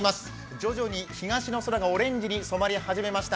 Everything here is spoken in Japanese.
徐々に東の空がオレンジに染まり始めました。